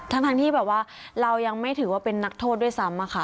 ทั้งที่แบบว่าเรายังไม่ถือว่าเป็นนักโทษด้วยซ้ำอะค่ะ